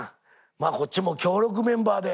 まあこっちも強力メンバーで。